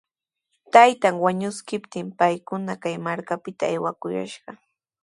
Taytan wañuskiptin paykuna kay markapita aywakuyashqa.